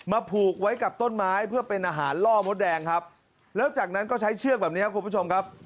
ผูกไว้กับต้นไม้เพื่อเป็นอาหารล่อมดแดงครับแล้วจากนั้นก็ใช้เชือกแบบนี้ครับคุณผู้ชมครับ